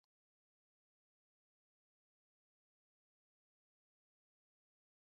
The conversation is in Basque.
Oskol lodi-lodia dute, eta haren pean gantz asko eta haragi gutxi.